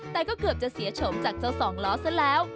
แต่ก็เกือบจะเสียโฉมจากเจ้าสองล้อซะแล้ว